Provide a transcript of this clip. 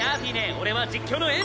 俺は実況の遠藤。